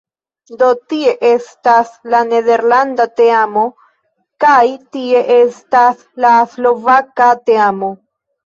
Do tie estas la nederlanda teamo kaj tie estas la slovaka teamo